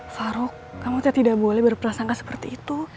farouk kamu tidak boleh berperasangka seperti itu